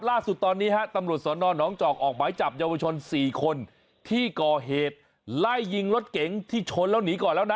ล่าสุดตอนนี้ฮะตำรวจสอนอนน้องจอกออกหมายจับเยาวชน๔คนที่ก่อเหตุไล่ยิงรถเก๋งที่ชนแล้วหนีก่อนแล้วนะ